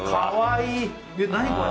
何これ？